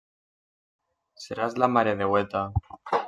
Seràs la Maredeueta.